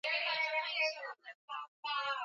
kuwe na uhitaji mkubwa wa majeshi ya nato